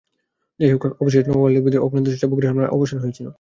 যাই হোক, অবশেষে নবাব আলীবর্দীর অক্লান্ত চেষ্টায় একসময় বর্গীর হামলার অবসান হয়েছিল।